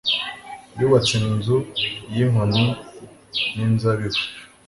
Yubatse inzu yinkoni ninzabibu